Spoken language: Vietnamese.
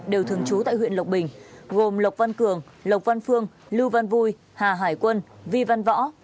đều thường trú tại huyện lộc bình gồm lộc văn cường lộc văn phương lưu văn vui hà hải quân vi văn võ